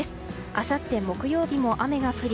あさって木曜日も雨が降り